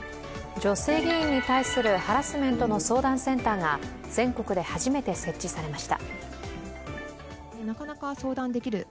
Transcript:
女性議員に対するハラスメント相談の相談センターが全国で初めて設置されました。